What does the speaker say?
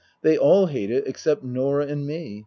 They all hate it except Norah and me.